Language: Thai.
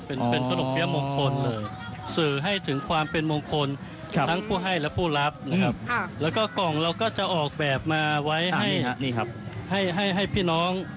เป็นขนมเปี๊ยะมงคลต้อนรับวศกฬาศ๒๕๕๙